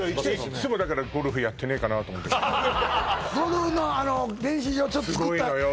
いっつもだからゴルフやってねえかなと思ってゴルフのあの練習場作ったすごいのよ